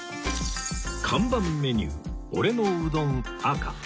看板メニュー俺のうどん赤